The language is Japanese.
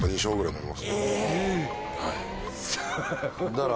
だから。